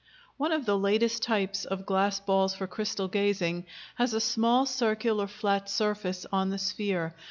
One of the latest types of glass balls for crystal gazing has a small, circular, flat surface on the sphere.